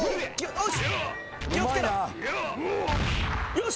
よし！